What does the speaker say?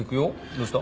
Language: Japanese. どうした？